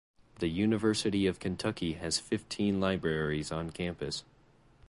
The University of Kentucky has fifteen libraries on campus.